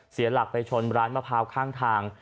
เสียหลักไปชนร้านมะพร้าวข้างทาง